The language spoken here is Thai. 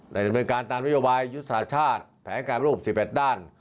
ในการตามวิบัติยุทธศาสตร์ชาติแผนการรูป๑๑ด้าน